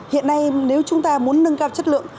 hiện nay nếu chúng ta muốn nâng cao chất lượng